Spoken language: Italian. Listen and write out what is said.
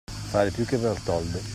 Farne più che Bertoldo.